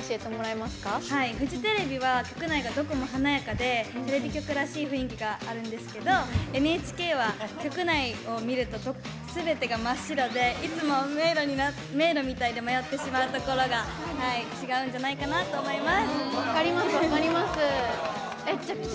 フジテレビは局内がどこも華やかでテレビ局らしい雰囲気があるんですけどＮＨＫは局内を見るとすべてが真っ白でいつも迷路みたいに迷ってしまうところが違うんじゃないかなと思います。